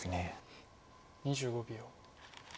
２５秒。